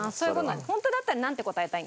ホントだったらなんて答えたいんですか？